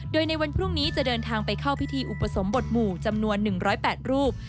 โดยในวันพรุ่งนี้จะเดินทางไปเข้าพิธีอุปสมบทหมู่จำนวน๑๐๘รูป